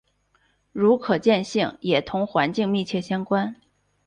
如可见性也同环境密切相关。